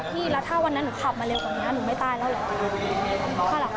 ที่แล้วถ้าวันนั้นหนูขับมาเร็วกว่านี้หนูไม่ตายแล้วเหรอ